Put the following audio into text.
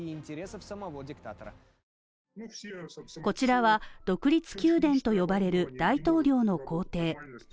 こちらは、独立宮殿と呼ばれる大統領の公邸。